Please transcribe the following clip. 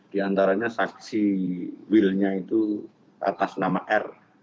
di antaranya saksi willnya itu atas nama r